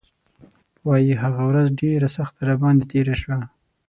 وايي هغه ورځ ډېره سخته راباندې تېره شوه.